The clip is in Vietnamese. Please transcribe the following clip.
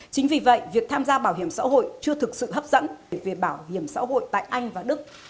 chính vì vậy việc tham gia bảo hiểm xã hội chưa thực sự hấp dẫn về bảo hiểm xã hội tại anh và đức